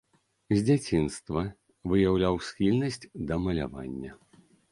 З дзяцінства выяўляў схільнасць да малявання.